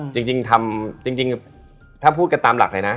จริงถ้าพูดกันตามหลักเลยนะ